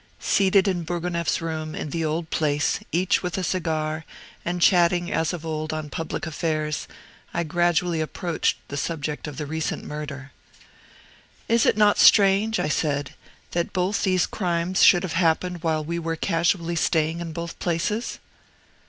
Seated in Bourgonef's room, in the old place, each with a cigar, and chatting as of old on public affairs, I gradually approached the subject of the recent murder. "Is it not strange," I said, "that both these crimes should have happened while we were casually staying in both places?"